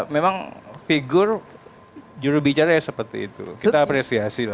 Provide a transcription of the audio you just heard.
memang figur jurubicara ya seperti itu kita apresiasi lah